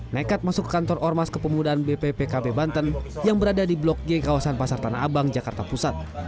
nekat masuk ke kantor ormas kepemudaan bppkb banten yang berada di blok g kawasan pasar tanah abang jakarta pusat